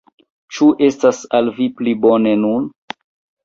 Ĉu estas al vi pli bone nun?